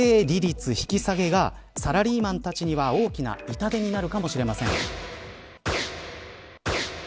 利率引き下げがサラリーマンたちには、大きな痛手になるかもしれません。